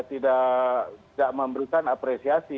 tidak memberikan apresiasi